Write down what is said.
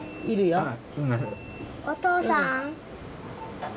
お父さん。